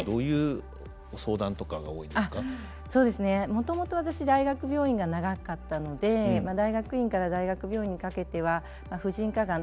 もともと私大学病院が長かったので大学院から大学病院にかけては婦人科がん